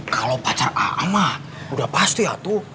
kalau pacar aak mah udah pasti ya tuh